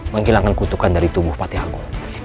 menghilangkan kutukan dari tubuh patiaku